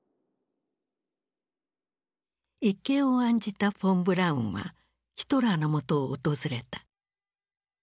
一計を案じたフォン・ブラウンはヒトラーのもとを訪れた。